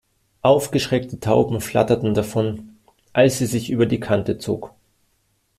Aufgeschreckte Tauben flatterten davon, als sie sich über die Kante zog.